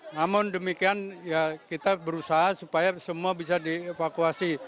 namun demikian ya kita berusaha supaya semua bisa dievakuasi